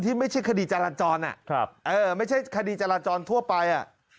ที่ไม่ใช่คดีจรรจรอ่ะครับเออไม่ใช่คดีจรรจรทั่วไปอ่ะ